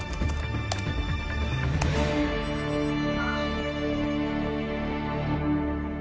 えっ？